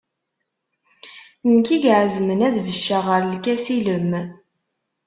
Nekk i iɛezmen ad becceɣ ɣer lkas ilem.